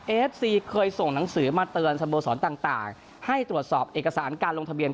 เอฟซีเคยส่งหนังสือมาเตือนสโมสรต่างให้ตรวจสอบเอกสารการลงทะเบียน